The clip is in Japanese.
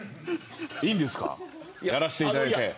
いいんですかやらせていただいて。